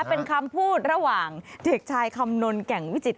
เป็นคำพูดระหว่างเด็กชายคำนลแก่งวิจิต